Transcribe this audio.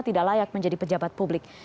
tidak layak menjadi pejabat publik